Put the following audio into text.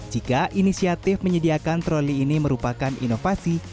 jika inisiatif menyediakan troli ini merupakan inovasi